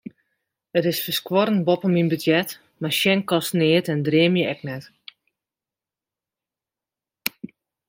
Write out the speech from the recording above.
It is ferskuorrend boppe myn budzjet, mar sjen kostet neat en dreame ek net.